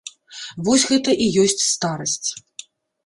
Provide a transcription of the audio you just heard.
Вось гэта і ёсць старасць.